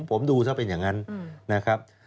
ผมดูถ้าเป็นอย่างนั้นนะครับ